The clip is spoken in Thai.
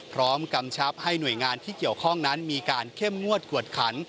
กำชับให้หน่วยงานที่เกี่ยวข้องนั้นมีการเข้มงวดกวดขัน